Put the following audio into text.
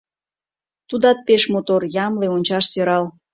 Тудат пешак мотор, ямле, ончаш сӧрал.